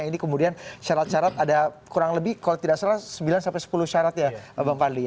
ini kemudian syarat syarat ada kurang lebih kalau tidak salah sembilan sepuluh syarat ya bang fadli